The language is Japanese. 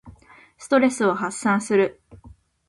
ストレスを発散する。